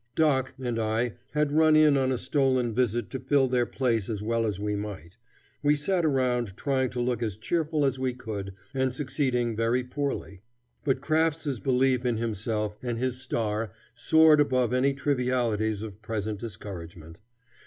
"Doc" and I had run in on a stolen visit to fill their place as well as we might. We sat around trying to look as cheerful as we could and succeeding very poorly; but Crafts's belief in himself and his star soared above any trivialities of present discouragement.